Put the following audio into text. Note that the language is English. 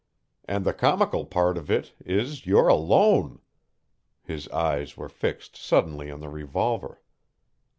And the comical part of it is you're ALONE!" His eyes were fixed suddenly on the revolver.